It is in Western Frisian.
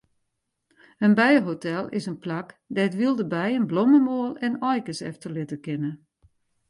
In bijehotel is in plak dêr't wylde bijen blommemoal en aaikes efterlitte kinne.